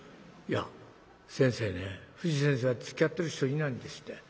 いや先生ね藤先生はつきあってる人いないんですって。